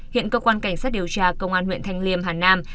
hiện cơ quan cảnh sát điều tra công an huyện thanh liêm hà nam